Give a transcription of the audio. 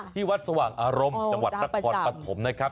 ที่วัดสว่างอารมณ์จังหวัดนครปฐมนะครับ